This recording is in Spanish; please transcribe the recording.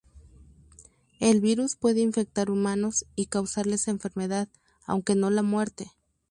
El virus puede infectar humanos y causarles enfermedad, aunque no la muerte.